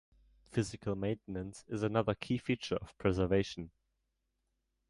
Physical maintenance is another key feature of preservation.